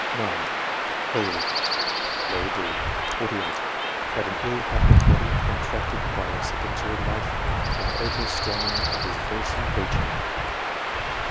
9. Ulrich, d. set. 48, had an " ill habit of body, contracted by a sedentary life and the overstraining of his voice in preaching."